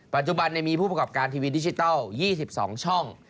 ปัจจุบันมีผู้ประกอบการทีวีดิจิทัล๒๒ช่อง